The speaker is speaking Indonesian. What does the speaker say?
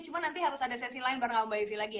cuman nanti harus ada sesi lain bareng mbak ify lagi ya